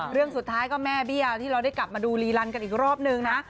เรื่องสุดท้ายก็แม่เบี้ยที่เราได้กลับมาดูรีลันกันอีกรอบนึงนะ